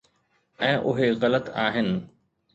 ۽ اهي غلط آهن.